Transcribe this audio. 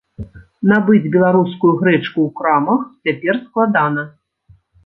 Набыць беларускую грэчку ў крамах цяпер складана.